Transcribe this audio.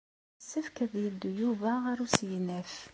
Yessefk ad yeddu Yuba ɣer usegnaf.